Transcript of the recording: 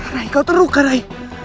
rai kau terluka rai